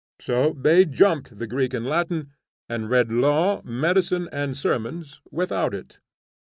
So they jumped the Greek and Latin, and read law, medicine, or sermons, without it.